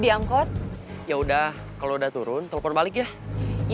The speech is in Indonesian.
di angkot ya udah kalau udah turun telepon balik ya iya